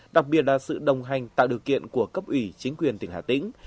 đặc biệt là sự đồng hành tạo điều kiện của cấp ủy chính quyền tỉnh hà tĩnh